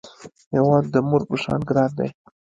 هیواد د مور په شان ګران دی